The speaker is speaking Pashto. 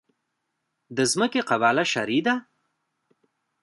د ځمکې قباله شرعي ده؟